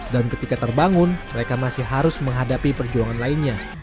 dan ketika terbangun mereka masih harus menghadapi perjuangan lainnya